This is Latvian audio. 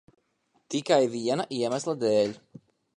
Tikai viena iemesla dēļ.